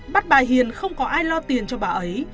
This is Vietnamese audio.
bắt bà hiền không có ai lo tiền cho bà ấy